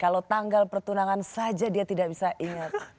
kalau tanggal pertunangan saja dia tidak bisa ingat